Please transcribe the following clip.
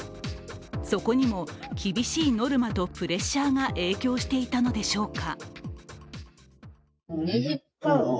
そこにも厳しいノルマとプレッシャーが影響していたのでしょうか。